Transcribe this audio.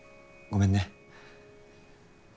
ごめんね。